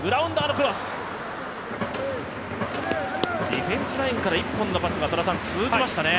ディフェンスラインから１本のパスが通じましたね。